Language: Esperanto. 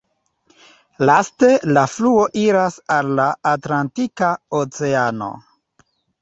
Laste la fluo iras al la Atlantika Oceano.